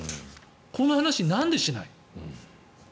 この話、なんでしない。